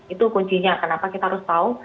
itu kuncinya kenapa kita harus tahu